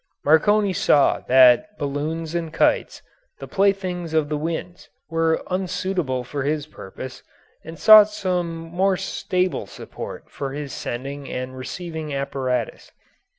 Marconi saw that balloons and kites, the playthings of the winds, were unsuitable for his purpose, and sought some more stable support for his sending and receiving apparatus.